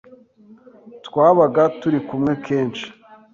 Twabaga turi kumwe kenshi,